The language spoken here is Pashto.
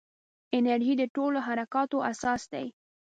انرژي د ټولو حرکاتو اساس دی.